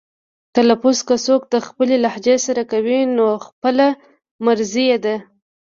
تلفظ که څوک د خپلې لهجې سره کوي نو خپله مرزي یې ده.